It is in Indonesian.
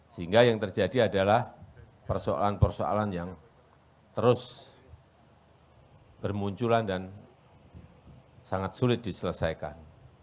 sehingga yang terjadi adalah persoalan persoalan yang terus bermunculan dan sangat sulit diselesaikan